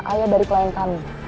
ayah dari klien kami